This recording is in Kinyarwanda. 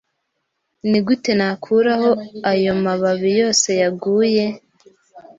Nigute nakuraho ayo mababi yose yaguye?